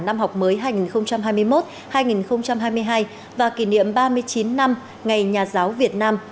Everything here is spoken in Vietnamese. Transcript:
năm học mới hành hai mươi một hai nghìn hai mươi hai và kỷ niệm ba mươi chín năm ngày nhà giáo việt nam